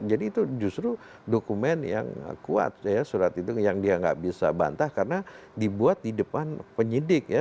jadi itu justru dokumen yang kuat ya surat itu yang dia nggak bisa bantah karena dibuat di depan penyidik ya